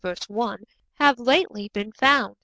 1) have lately been found.